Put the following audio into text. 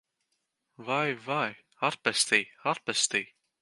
Vai, vai! Atpestī! Atpestī!